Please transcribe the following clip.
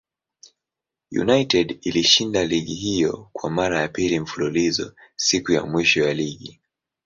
United ilishinda ligi hiyo kwa mara ya pili mfululizo siku ya mwisho ya ligi.